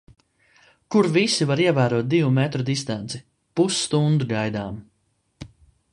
Kur visi var ievērot divu metru distanci. Pusstundu gaidām.